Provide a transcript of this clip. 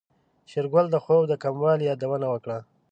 شېرګل د خوب د کموالي يادونه وکړه.